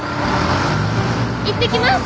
行ってきます。